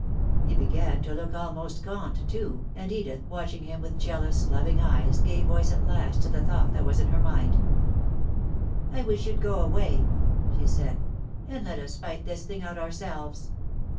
He began to look almost gaunt, too, and Edith, watching him with jealous, loving eyes, gave voice at last to the thought that was in her mind. "I wish you'd go away," she said, "and let us fight this thing out ourselves.